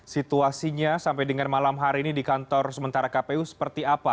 situasinya sampai dengan malam hari ini di kantor sementara kpu seperti apa